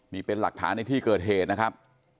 นี่เป็นหลักฐานในที่เกิดเหตุนะครับ